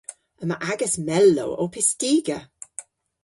Yma agas mellow ow pystiga.